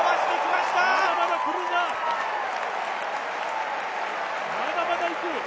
まだまだいく！